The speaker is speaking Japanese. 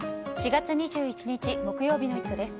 ４月２１日、木曜日の「イット！」です。